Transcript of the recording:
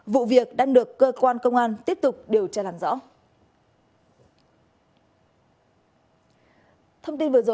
vụ việc đang được cơ quan công an tiếp tục điều tra làm rõ